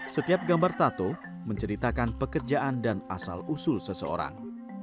setiap gambar tato menceritakan pekerjaan dan asal usul seseorang